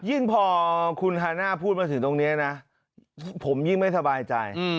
ยิ่งพอคุณฮาน่าพูดมาถึงตรงนี้นะผมยิ่งไม่สบายใจ